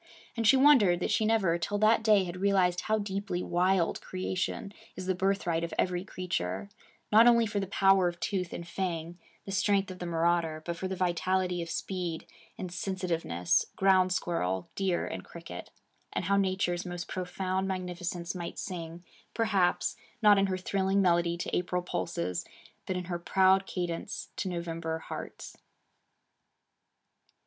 And she wondered that she never till that day had realized how deeply wild creation is the birthright of every creature, not only for the power of tooth and fang, the strength of the marauder, but for the vitality of speed and sensitiveness, ground squirrel, deer, and cricket; and how Nature's most profound magnificence might sing, perhaps, not in her thrilling melody to April pulses, but in her proud cadence to November hearts.